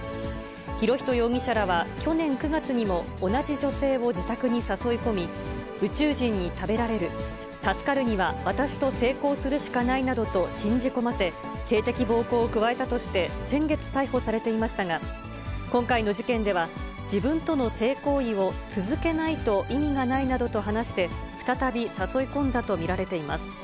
博仁容疑者らは、去年９月にも同じ女性を自宅に誘い込み、宇宙人に食べられる、助かるには私と性交するしかないなどと信じ込ませ、性的暴行を加えたとして先月、逮捕されていましたが、今回の事件では、自分との性行為を続けないと意味がないなどと話して、再び誘い込んだと見られています。